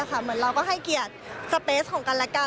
เหมือนเราก็ให้เกียรติสเปสของกันและกัน